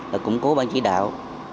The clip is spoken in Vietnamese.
và củng cố ban chỉ đạo